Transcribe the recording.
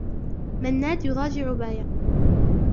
منّاد يضاجع باية.